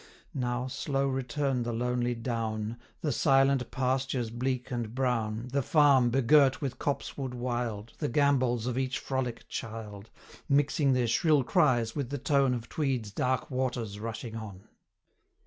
225 Now slow return the lonely down, The silent pastures bleak and brown, The farm begirt with copsewood wild The gambols of each frolic child, Mixing their shrill cries with the tone 230 Of Tweed's dark waters rushing on.